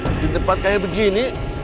lebih tepat kayak begini